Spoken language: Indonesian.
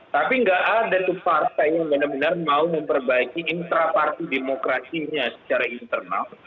tapi nggak ada tuh partai yang benar benar mau memperbaiki intraparti demokrasinya secara internal